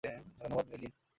ধন্যবাদ, মেইলিন।